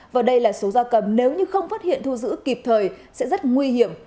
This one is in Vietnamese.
và đây là số gia cầm nếu như không phát hiện thu giữ kịp thời sẽ rất nguy hiểm